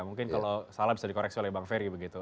mungkin kalau salah bisa dikoreksi oleh bang ferry begitu